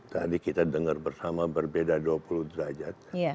tadi kita dengar bersama berbeda dua puluh derajat